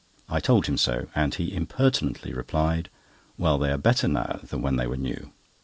I told him so, and he impertinently replied: "Well, they are better now than when they were new."